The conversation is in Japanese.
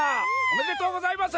おめでとうございます！